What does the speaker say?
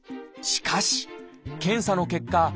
しかし検査の結果